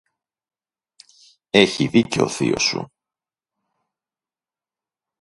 Έχει δίκιο ο θείος σου!